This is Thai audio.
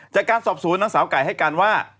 จากการสอบสวนนางสาวไก่ให้การว่า